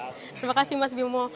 terima kasih mas bimo